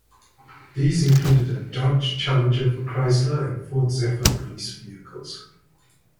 These included a Dodge Challenger for Chrysler and Ford Zephyr police vehicles.